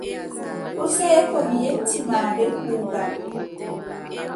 Useko mi yetti ma bee kuugal.